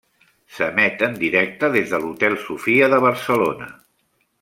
S'emet en directe des de l'Hotel Sofia de Barcelona.